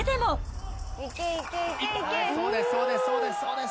そうです、そうです。